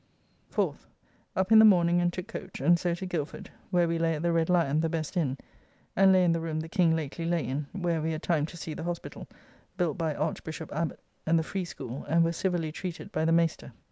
4th. Up in the morning and took coach, and so to Gilford, where we lay at the Red Lyon, the best Inn, and lay in the room the King lately lay in, where we had time to see the Hospital, built by Archbishop Abbott, and the free school, and were civilly treated by the Mayster.